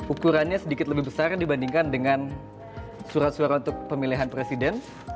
ukurannya sedikit lebih besar dibandingkan dengan surat suara untuk pemilihan presiden